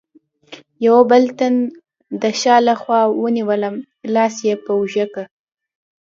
یوه بل تن د شا له خوا ونیولم، لاس یې په اوږه کې.